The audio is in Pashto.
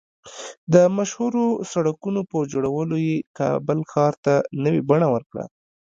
د مشهورو سړکونو په جوړولو یې کابل ښار ته نوې بڼه ورکړه